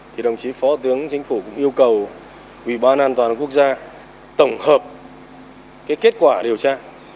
thì đồng chí phó thủ tướng chính phủ cũng yêu cầu ubnd quốc gia tổng hợp kết quả điều tra